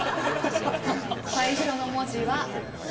最初の文字は「ひ」